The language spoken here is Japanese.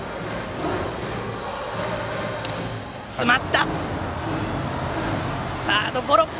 詰まった、サードゴロ！